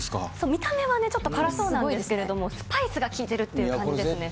見た目はちょっと辛そうなんですけれども、スパイスが効いてるっていう感じですね。